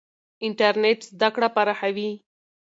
انټرنېټ زده کړه پراخوي.